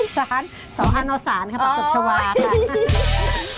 สารสวรรค์อาณาสารค่ะปักตบชาวาค่ะ